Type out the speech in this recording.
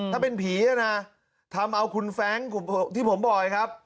ถ้าเป็นผีทำเอาคุณแฟงที่ผมบอกเลยครับ